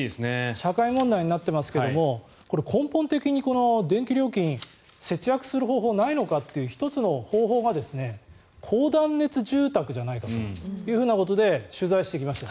社会問題になっていますが根本的に電気料金節約する方法ないのかという１つの方法が高断熱住宅じゃないかということで取材してきました。